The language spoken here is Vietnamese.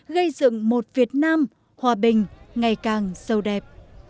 gây dựng một việt nam hòa bình ngày càng sâu đẹp